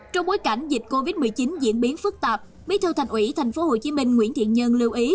trong bối cảnh dịch covid một mươi chín diễn biến phức tạp bí thư thành ủy tp hcm nguyễn thiện nhân lưu ý